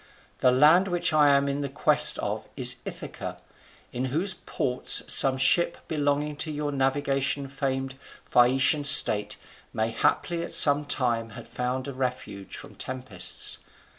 The land which I am in quest of is Ithaca; in whose ports some ship belonging to your navigation famed Phaeacian state may haply at some time have found a refuge from tempests.